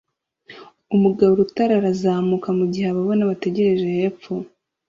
Umugabo urutare arazamuka mugihe ababona bategereje hepfo